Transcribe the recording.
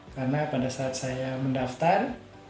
karena pada saat saya mendaftar